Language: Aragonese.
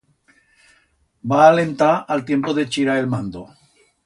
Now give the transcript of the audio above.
Va alentar a'l tiempo de chirar el mando.